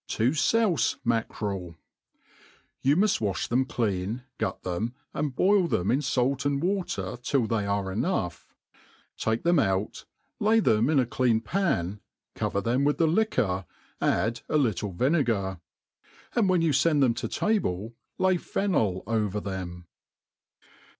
Tofoufe Mackerel. YOU mufl wafh them clean, gut them, and boil them in fait: and water till they are enough ; take them out, lay them jn a clean pan, cover them with the liquor, add a little vinegar; and when you fend them to table, lay fennel over them.